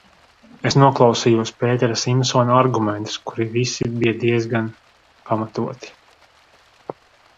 Es noklausījos Pētera Simsona argumentus, kuri visi bija diezgan pamatoti.